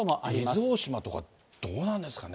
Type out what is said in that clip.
伊豆大島とかどうなんですかね。